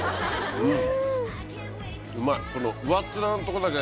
うん。